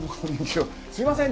すいません